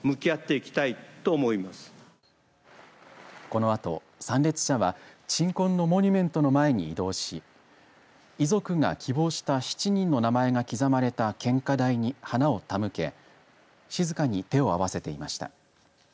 このあと参列者は鎮魂のモニュメントの前に移動し遺族が希望した７人の名前が刻まれた献花台に花を手向け静かに手を合わせていました。